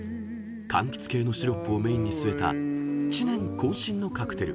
［かんきつ系のシロップをメインに据えた知念渾身のカクテル。